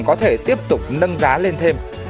có thể tiếp tục nâng giá lên thêm